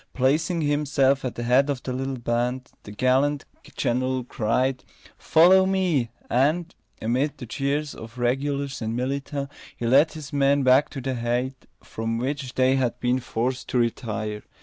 Placing himself at the head of the little band, the gallant general cried: "Follow me!" and, amid the cheers of regulars and militia, he led his men back to the height from which they had been forced to retire.